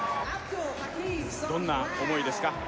どんな思いですか？